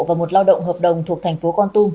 và một lao động hợp đồng thuộc thành phố con tum